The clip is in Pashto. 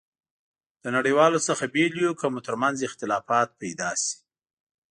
له نړیوالو څخه بېل یو، که مو ترمنځ اختلافات پيدا شي.